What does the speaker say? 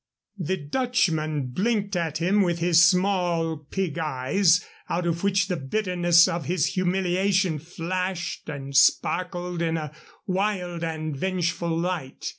The Dutchman blinked at him with his small pig eyes, out of which the bitterness of his humiliation flashed and sparkled in a wild and vengeful light.